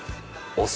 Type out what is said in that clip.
お酢。